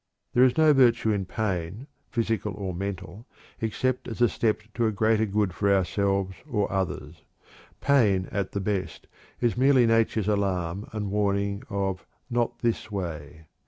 There is no virtue in pain, physical or mental, except as a step to a greater good for ourselves or others. Pain at the best is merely nature's alarm and warning of "not this way."